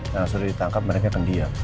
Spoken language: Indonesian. yang sudah ditangkap mereka akan diam